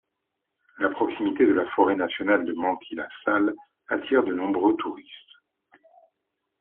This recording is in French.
La proximité de la forêt nationale de Manti-La Sal attire de nombreux touristes.